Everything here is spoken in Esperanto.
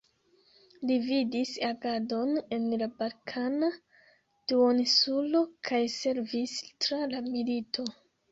Li vidis agadon en la Balkana duoninsulo, kaj servis tra la milito.